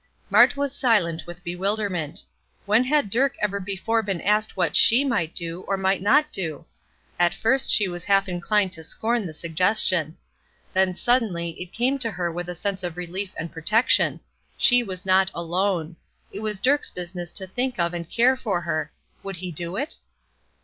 Mart was silent with bewilderment. When had Dirk ever before been asked what she might do, or might not do? At first she was half inclined to scorn the suggestion. Then, suddenly, it came to her with a sense of relief and protection: she was not alone; it was Dirk's business to think of and care for her. Would he do it?